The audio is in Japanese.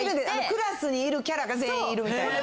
クラスにいるキャラが全員いるみたいな。